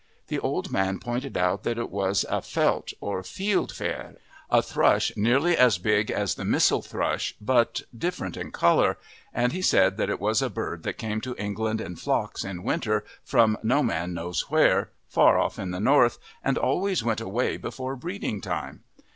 The old man pointed out that it was a felt or fieldfare, a thrush nearly as big as the mistle thrush but different in colour, and he said that it was a bird that came to England in flocks in winter from no man knows where, far off in the north, and always went away before breeding time.